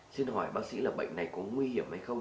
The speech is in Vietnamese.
xin hỏi bác sĩ là bệnh này có nguy hiểm hay không